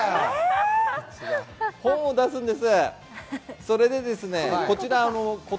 本を出すんです。